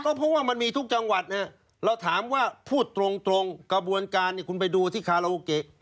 เพราะว่ามันมีทุกจังหวัดเราถามว่าพูดตรงกระบวนการเนี่ยคุณไปดูที่คาราโอเกะ